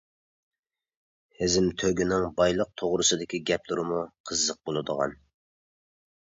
ھېزىم تۆگىنىڭ بايلىق توغرىسىدىكى گەپلىرىمۇ قىزىق بولىدىغان.